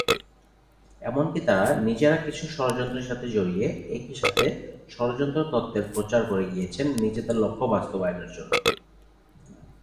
এমনকি তারা নিজেরা কিছু ষড়যন্ত্রের সাথে জড়িয়ে একই সাথে ষড়যন্ত্র তত্ত্বের প্রচার করে গিয়েছেন নিজেদের লক্ষ বাস্তবায়নের জন্য।